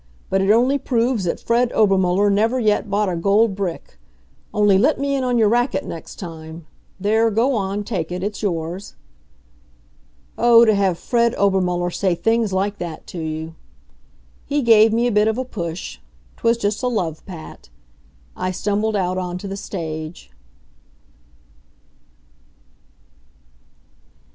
But it only proves that Fred Obermuller never yet bought a gold brick. Only, let me in on your racket next time. There, go on take it. It's yours." Oh, to have Fred Obermuller say things like that to you! He gave me a bit of a push. 'Twas just a love pat. I stumbled out on to the stage.